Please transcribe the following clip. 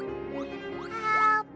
あーぷん？